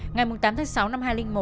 ngày tám tháng sáu năm hai nghìn một